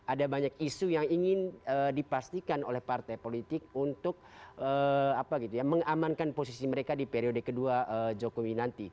ada banyak isu yang ingin dipastikan oleh partai politik untuk mengamankan posisi mereka di periode kedua jokowi nanti